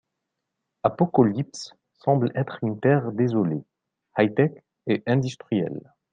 Apokolips semble être une terre désolée, high-tech et industrielle.